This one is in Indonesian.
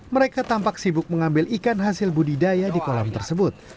mereka tampak sibuk mengambil ikan hasil budidaya di kolam tersebut